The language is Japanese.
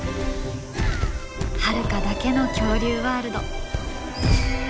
ハルカだけの恐竜ワールド。